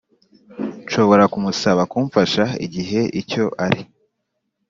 Nshobora kumusaba kumfasha igihe icyo ari